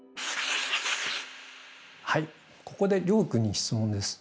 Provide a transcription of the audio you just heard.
はいここで諒君に質問です。